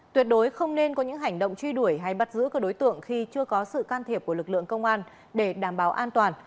tuyệt đối không nên có những hành động truy đuổi hay bắt giữ các đối tượng khi chưa có sự can thiệp của lực lượng công an để đảm bảo an toàn